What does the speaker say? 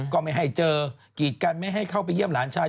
ก็ไม่ให้เจอกีดกันไม่ให้เข้าไปเยี่ยมหลานชาย